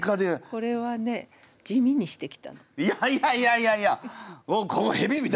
これはねいやいやいやいやいや！